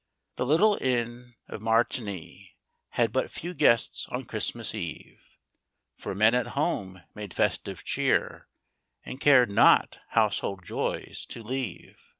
'JpHE little Inn of Martigny Had but few guests on Christmas Eve, For men at home made festive cheer, And cared not household joys to leave.